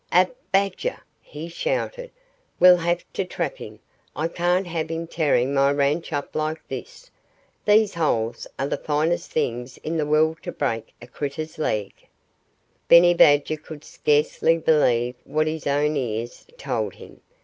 "A badger!" he shouted. "We'll have to trap him. I can't have him tearing my ranch up like this. These holes are the finest things in the world to break a critter's leg in." Benny Badger could scarcely believe what his own ears told him.